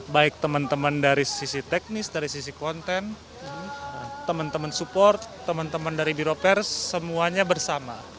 baik teman teman dari sisi teknis dari sisi konten teman teman support teman teman dari biro pers semuanya bersama